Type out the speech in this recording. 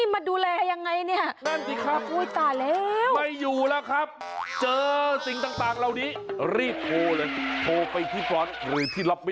ขอดูต่อขอดูรอบห้องต่อ